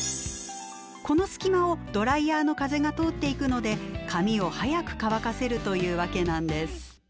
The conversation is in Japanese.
この隙間をドライヤーの風が通っていくので髪を早く乾かせるというわけなんです。